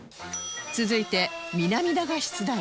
続いて南田が出題